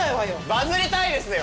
バズりたいですよ！